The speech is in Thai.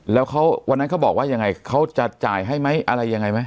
แล้ววันนั้นเขาบอกว่ายังไงเขาจะจ่ายให้ไหมอะไรยังไงไหม